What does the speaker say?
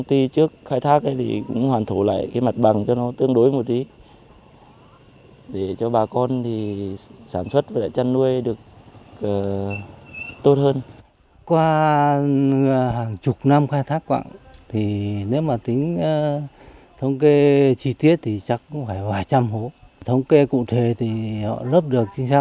sau khi khai thác trở lại mặt bằng bà con trồng ngô và trồng các cây như là cây xoan